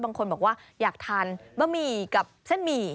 บางคนบอกว่าอยากทานบะหมี่กับเส้นหมี่